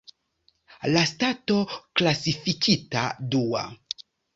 La stato klasifikita dua.